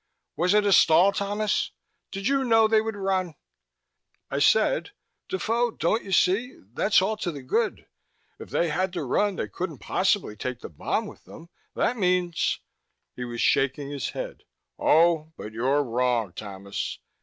Was it a stall, Thomas? Did you know they would run?" I said, "Defoe, don't you see, that's all to the good? If they had to run, they couldn't possibly take the bomb with them. That means " He was shaking head. "Oh, but you're wrong, Thomas.